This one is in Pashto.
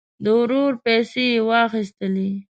د ورور پیسې یې واخیستلې.